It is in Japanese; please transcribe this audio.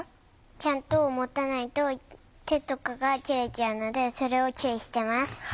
ちゃんと持たないと手とかが切れちゃうのでそれを注意してます。